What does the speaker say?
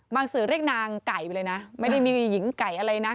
สื่อเรียกนางไก่ไปเลยนะไม่ได้มีหญิงไก่อะไรนะ